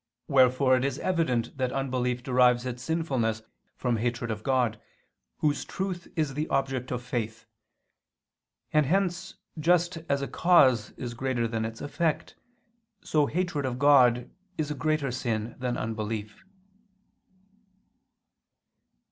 Wherefore it is evident that unbelief derives its sinfulness from hatred of God, Whose truth is the object of faith; and hence just as a cause is greater than its effect, so hatred of God is a greater sin than unbelief.